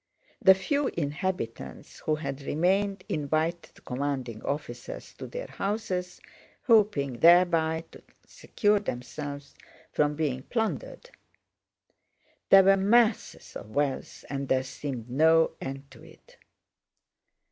The few inhabitants who had remained invited commanding officers to their houses, hoping thereby to secure themselves from being plundered. There were masses of wealth and there seemed no end to it.